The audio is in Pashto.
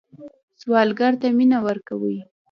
سوالګر ته مینه ورکوئ